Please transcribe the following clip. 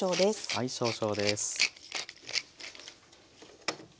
はい少々です。